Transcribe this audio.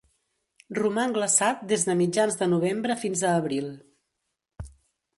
Roman glaçat des de mitjans de novembre fins a abril.